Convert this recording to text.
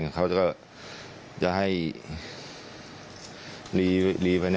เค้าก็จะให้ขายบ้าน